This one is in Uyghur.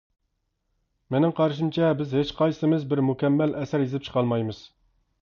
مېنىڭ قارىشىمچە، بىز ھېچقايسىمىز بىر مۇكەممەل ئەسەر يېزىپ چىقالمايمىز.